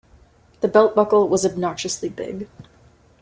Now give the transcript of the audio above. The belt buckle was obnoxiously big.